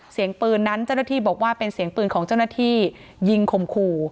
เสียงปืนนั้นเจ้าหน้าที่บอกว่าเป็นเสียงปืนของเจ้าหน้าที่ยิงข่มขู่